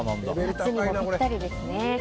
夏にもぴったりですね。